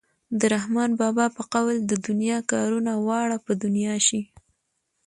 د رحمان بابا په قول د دنیا کارونه واړه په دنیا شي.